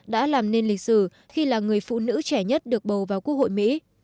đã làm nên lịch sử khi là người phụ nữ trẻ nhất được bầu vào quốc hội mỹ